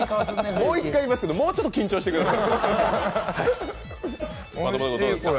もう一回言いますけど、もうちょっと緊張してください。